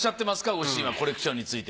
ご主人はコレクションについて。